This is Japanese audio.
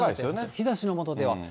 日ざしの下では。